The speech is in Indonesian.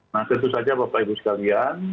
nah tentu saja bapak ibu sekalian